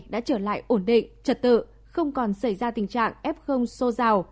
đã trở lại ổn định trật tự không còn xảy ra tình trạng f xô dào